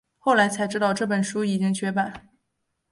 后来才知道这本书已经绝版